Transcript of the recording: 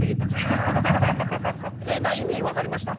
意味分かりました？